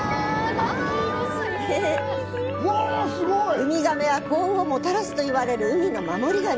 ウミガメは、幸運をもたらすといわれる海の守り神。